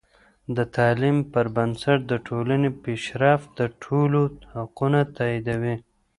د تعلیم پر بنسټ د ټولنې پیشرفت د ټولو حقونه تاییدوي.